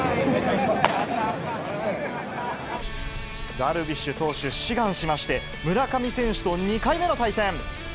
ダルビッシュ投手、志願しまして、村上選手と２回目の対戦。